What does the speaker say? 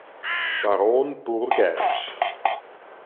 Baron Burghersh.